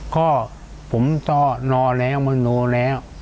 ก็ผมต้อนอนแล้วมนุษย์แล้ว